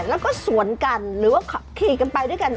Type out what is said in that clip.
แล้วก็สวนกันหรือว่าขับขี่กันไปด้วยกัน